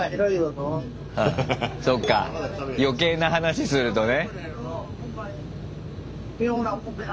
そうか余計な話するとね。